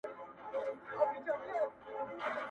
د لاس په دښته كي يې نن اوښكو بيا ډنډ جوړ كـړى~